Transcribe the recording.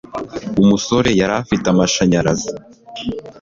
Umusore yari afite amashanyarazi